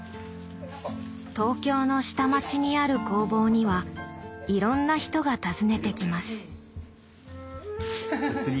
東京の下町にある工房にはいろんな人が訪ねてきます。